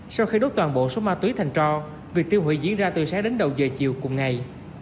sau khi đốt toàn bộ số ma túy thành cho việc tiêu hủy diễn ra từ sáng đến đầu giờ chiều cùng ngày